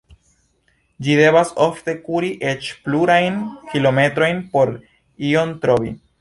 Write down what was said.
Ĝi devas ofte kuri eĉ plurajn kilometrojn por ion trovi.